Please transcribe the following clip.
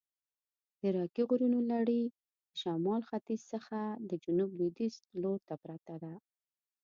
د راکي غرونو لړي د شمال ختیځ څخه د جنوب لویدیځ لورته پرته ده.